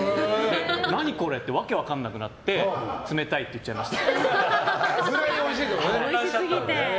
何これって訳分かんなくなって冷たいって言っちゃいました。